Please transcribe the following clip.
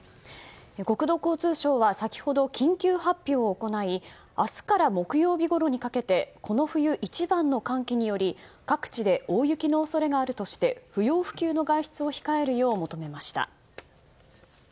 国土交通省は先ほど緊急発表を行い明日から木曜日ごろにかけてこの冬一番の寒気により各地で大雪の恐れがあるとして不要不急の外出を控えるよう求めました。